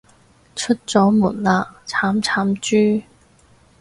出咗門口喇，慘慘豬